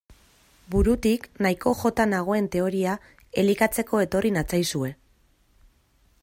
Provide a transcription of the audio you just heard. Burutik nahiko jota nagoen teoria elikatzeko etorri natzaizue.